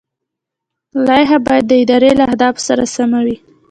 لایحه باید د ادارې له اهدافو سره سمه وي.